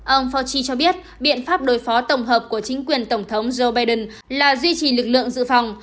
ông fochi cho biết biện pháp đối phó tổng hợp của chính quyền tổng thống joe biden là duy trì lực lượng dự phòng